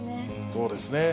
そうですね。